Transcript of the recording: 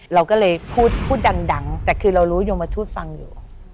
เราก็เลยพูดพูดดังแต่คือเรารู้ยมทูตฟังอยู่